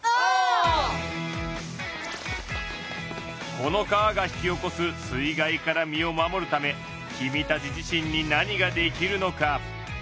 この川が引き起こす水害から身を守るためキミたち自身に何ができるのか？